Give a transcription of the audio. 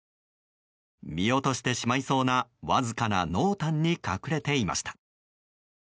見落としてしまいそうなわずかな濃淡に隠れていました。